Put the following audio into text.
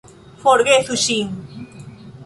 Forgesu ŝin!